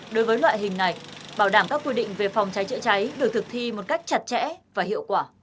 đối với loại hình này bảo đảm các quy định về phòng cháy chữa cháy được thực thi một cách chặt chẽ và hiệu quả